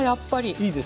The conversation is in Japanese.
いいですか？